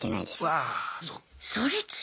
わそっか。